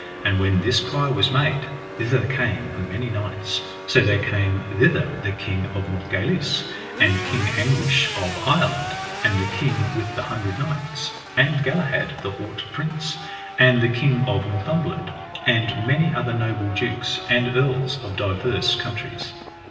And when this cry was made, thither came many knights. So there came thither the King of Northgalis, and King Anguish of Ireland, and the King with the Hundred Knights, and Galahad, the haut prince, and the King of Northumberland, and many other noble dukes and earls of divers countries.